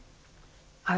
はい。